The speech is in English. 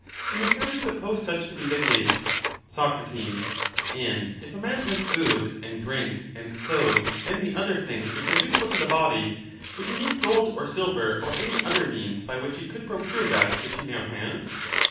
We may fairly suppose such to be the case. Soc. And if a man has food and drink and clothes and the a sophism. other things which are useful to the body, would he need saverwoaid gold or silver or any other means by which he could procure bensefcssif that which he now has?